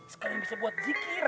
sekalian bisa buat zikir